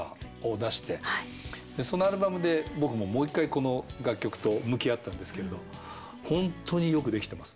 そのアルバムで僕ももう一回この楽曲と向き合ったんですけど本当によく出来てます。